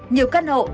nhiều căn hộ